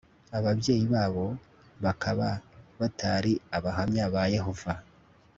ababyeyi babo bakaba batari Abahamya ba Yehova